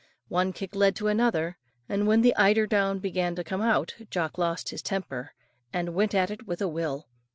One kick led to another; and when the eider down began to come out, Jock lost his temper, and went at it with a will.